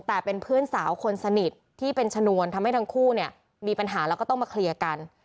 แต่เป็นเพื่อนสาวคนสนิทที่เป็นชนวนทำให้ทั้งคู่เนี่ยมีปัญหาแล้วก็ต้องมาเคลียร์กัน